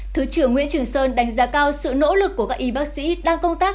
thứ trưởng nguyễn trường sơn đánh giá cao sự nỗ lực của các y bác sĩ đang công tác